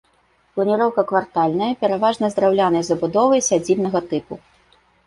Планіроўка квартальная, пераважна з драўлянай забудовай сядзібнага тыпу.